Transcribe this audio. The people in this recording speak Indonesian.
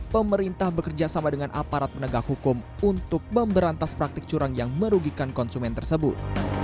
pemerintah bekerjasama dengan aparat penegak hukum untuk memberantas praktik curang yang merugikan konsumen tersebut